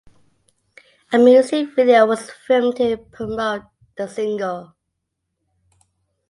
A music video was filmed to promote the single.